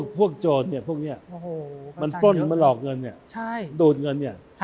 พวกโจรพวกนี้มันปล้นมันหลอกเงินดูดเงิน